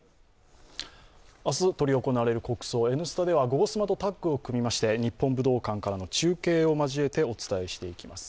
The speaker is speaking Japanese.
明日執り行われる国葬、「Ｎスタ」では「ゴゴスマ」とタッグを組みまして日本武道館からの中継を交えてお伝えしていきます。